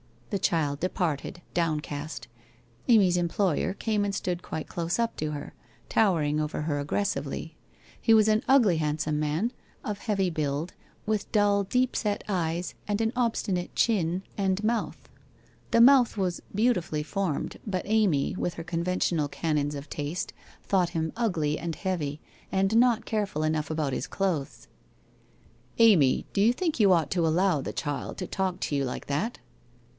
The child departed, downcast. Amy's employer came and stood quite close up to her, towering over her ag gressively. He was an ugly handsome man, of heavy build, with dull, deep set eves, and an obstinate chin and 2 18 WHITE ROSE OF WEARY LEAF month. The mouth was beautifully formed, but Amy, with her conventional canons of taste, thought him ugly and heavy, and not careful enough about his clothes. 1 Amy, do you think you ought to allow the child to talk to you like that?'